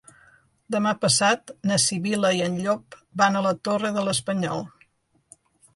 Demà passat na Sibil·la i en Llop van a la Torre de l'Espanyol.